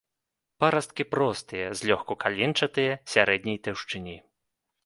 Парасткі простыя, злёгку каленчатыя, сярэдняй таўшчыні.